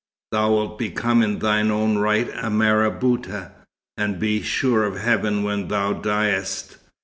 Thou wilt become in thine own right a marabouta, and be sure of Heaven when thou diest.